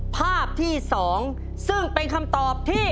ภาพที่๒ซึ่งเป็นคำตอบที่